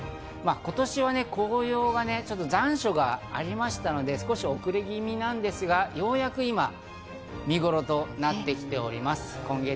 今年は紅葉がちょっと残暑がありましたので、ちょっと遅れ気味なんですが、ようやく今、見頃となってきております。